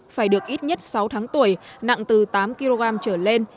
phải được ít nhất sáu tháng tuổi nặng từ tám kg trở lên